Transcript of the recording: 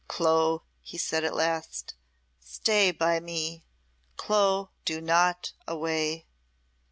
"Clo," he said at last, "stay by me! Clo, go not away!"